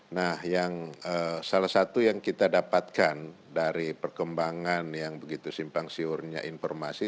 nah yang salah satu yang kita dapatkan dari perkembangan yang begitu simpang siurnya informasi